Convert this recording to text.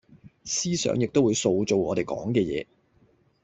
思想亦都會塑造我地講嘅野